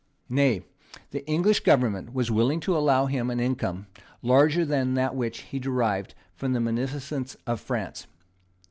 Nay, the English government was willing to allow him an income larger than that which he derived from the munificence of France.